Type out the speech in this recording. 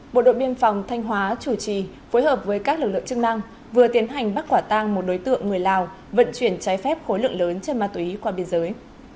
bộ đội biên phòng thanh hóa chủ trì phối hợp với các lực lượng chức năng vừa tiến hành bắt quả tang một đối tượng người lào vận chuyển trái phép khối lượng lớn chất ma túy qua biên giới